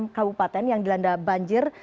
enam kabupaten yang dilanda banjir